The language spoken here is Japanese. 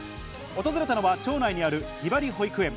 訪れたのは町内にある、ひばり保育園。